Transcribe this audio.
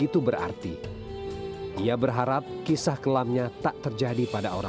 terus setelah jalan ada kejadian apa